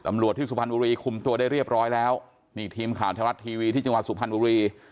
ตำรวจที่สุพรรณบุรีคุมตัวได้เรียบร้อยแล้วนี่ทีมข่าวไทยรัฐทีวีที่จังหวัดสุพรรณบุรี